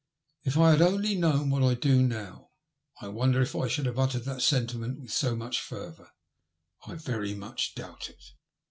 If I had only known what I do now I wonder if I should have uttered that sentiment with so much fervour ? I very much doubt it.